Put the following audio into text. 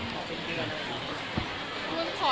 ขอคุณพี่ก่อน